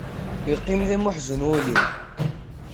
Yeqqim d ameḥzun wul-iw.